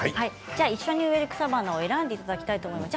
一緒に植える草花を選んでいただきたいと思います。